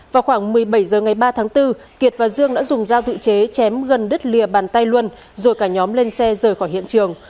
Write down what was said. vào khoảng một mươi bảy h ngày ba tháng bốn kiệt và dương đã dùng dao tự chế chém gần đứt lìa bàn tay luân rồi cả nhóm lên xe rời khỏi hiện trường